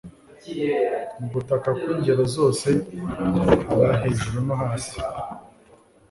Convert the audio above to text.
Mu gutaka kwingero zose haba hejuru no hasi